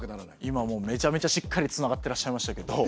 今もうめちゃめちゃしっかりつながってらっしゃいましたけど。